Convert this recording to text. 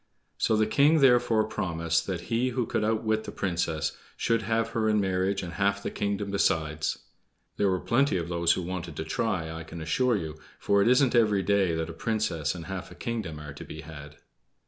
So the king therefore promised that he who could outwit the Princess should have her in marriage and half the kingdom besides. There were plenty of those who wanted to try, I can assure you; for it isn't every day that a princess and half a kingdom are to be had.